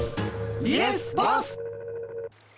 イエスボス！